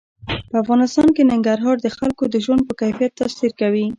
په افغانستان کې ننګرهار د خلکو د ژوند په کیفیت تاثیر کوي.